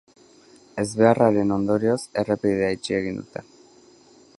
Ezbeharraren ondorioz, errepidea itxi egin dute.